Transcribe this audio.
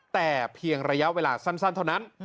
แต่เพียงระยะเวลาสั้นเท่านั้น